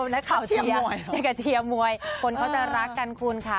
และเขาเชียร์เชียร์มวยคนเขาจะรักกันคุณคะ